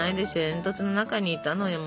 煙突の中にいたのよ。